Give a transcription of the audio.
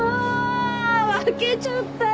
負けちゃったよ！